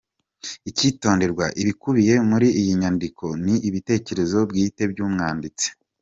Icyitonderwa: Ibikubiye muri iyi nyandiko ni ibitekerezo bwite by’umwanditsi.